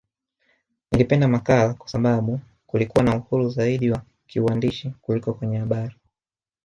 Nilipenda makala kwa sababu kulikuwa na uhuru zaidi wa kiuandishi kuliko kwenye habari